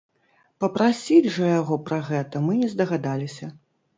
Папрасіць жа яго пра гэта мы не здагадаліся.